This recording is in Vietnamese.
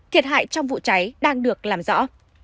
thiệt hại trong vụ cháy đang được làm rõ